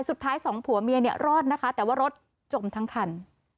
สุดท้ายสองผัวเมียเนี่ยรอดนะคะแต่ว่ารถจมทั้งคัน